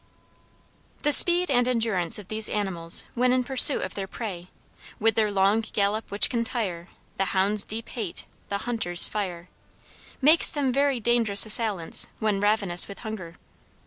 The speed and endurance of these animals, when in pursuit of their prey, "With their long gallop, which can tire The hound's deep hate, the hunter's fire," makes them very dangerous assailants, when ravenous with hunger.